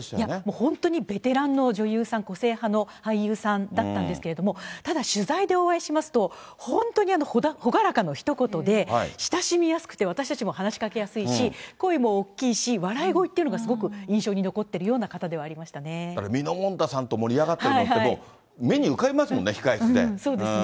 本当にベテランの女優さん、個性派の俳優さんだったんですけれども、ただ取材でお会いしますと、本当に朗らかのひと言で、親しみやすくて、私たちも話しかけやすいし、声も大きいし、笑い声っていうのがすごく印象に残ってるような方ではありましたみのもんたさんと盛り上がってるのって、もう、そうですね。